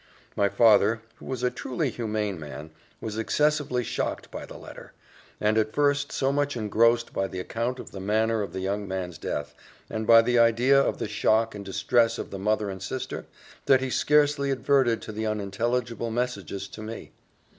My father, who was a truly humane man, was excessively shocked by the letter; and at first, so much engrossed by the account of the manner of the young man's death, and by the idea of the shock and distress of the mother and sister, that he scarcely adverted to the unintelligible messages to me.